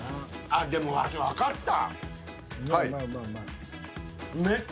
あっでもワシわかった。